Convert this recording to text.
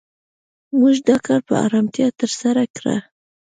موږ دا کار په آرامتیا تر سره کړ.